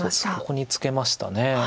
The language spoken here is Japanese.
ここにツケました。